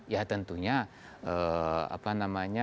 ya tentunya apa namanya